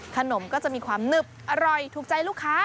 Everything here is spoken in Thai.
ขนมก็จะมีความหนึบอร่อยถูกใจลูกค้า